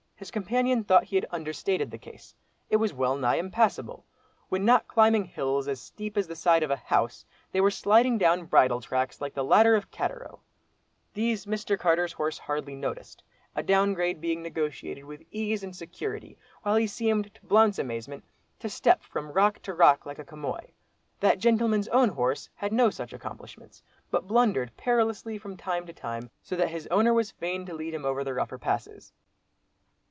His companion thought he had understated the case. It was well nigh impassable. When not climbing hills as steep as the side of a house, they were sliding down bridle tracks like the "Ladder of Cattaro." These Mr. Carter's horse hardly noticed; a down grade being negotiated with ease and security, while he seemed, to Blount's amazement, to step from rock to rock like a chamois. That gentleman's own horse had no such accomplishments, but blundered perilously from time to time, so that his owner was fain to lead him over the rougher passes.